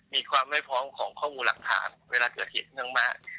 มีความไม่พร้อมของข้อมูลหลักฐานเวลาเกิดเหตุค่อนข้างมาก